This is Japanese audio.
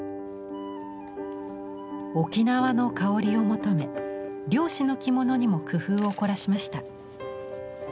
沖縄のかおりを求め漁師の着物にも工夫を凝らしました。